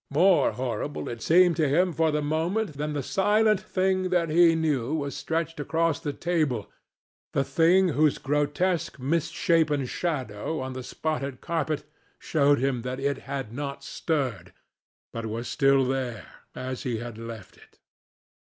—more horrible, it seemed to him for the moment, than the silent thing that he knew was stretched across the table, the thing whose grotesque misshapen shadow on the spotted carpet showed him that it had not stirred, but was still there, as he had left it.